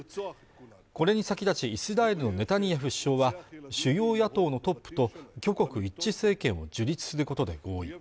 これに先立ちイスラエルのネタニヤフ首相は主要野党のトップと挙国一致政権を樹立することで合意